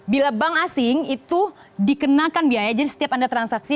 bila bank asing itu dikenakan biaya jadi setiap anda transaksi